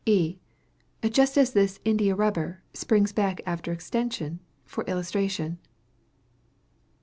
E. Just as this India rubber springs back after extension, for illustration.